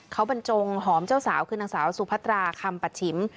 เขาบรรจงหอมเจ้าสาวคือนางสาวสุพัตราคำปัชชิม